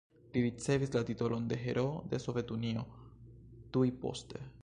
Li ricevis la titolon de Heroo de Sovetunio tuj poste.